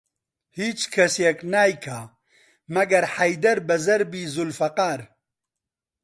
هیچ کەسێک نایکا مەگەر حەیدەر بە زەربی زولفەقار